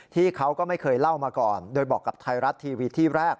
ที่เขาก็ไม่เคยเล่ามาก่อนโดยบอกกับไทยรัฐทีวีที่แรก